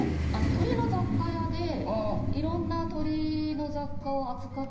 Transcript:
鳥の雑貨屋で色んな鳥の雑貨を扱ってます。